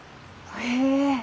へえ。